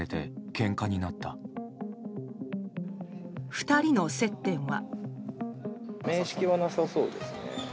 ２人の接点は。